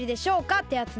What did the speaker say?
ってやつね。